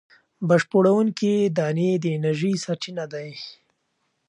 بشپړوونکې دانې د انرژۍ سرچینه دي.